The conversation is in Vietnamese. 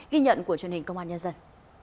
ghi nhận của truyền hình công an nhân dân